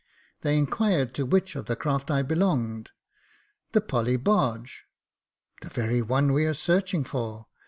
They inquired to which of the craft I belonged. " The Polly barge." *' The very one we are searching for.